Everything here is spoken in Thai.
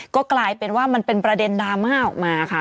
ก็กลายเป็นว่ามันเป็นประเด็นดราม่าออกมาค่ะ